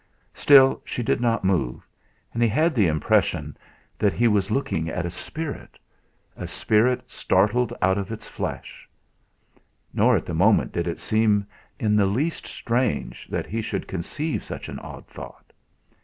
Still she did not move, and he had the impression that he was looking at a spirit a spirit startled out of its flesh. Nor at the moment did it seem in the least strange that he should conceive such an odd thought.